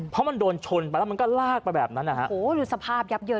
เพราะมันโดนชนไปแล้วมันก็ลากไปแบบนั้นนะฮะโอ้โหดูสภาพยับเยิน